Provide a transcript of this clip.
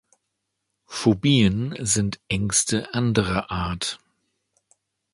Phobien sind Ängste anderer Art.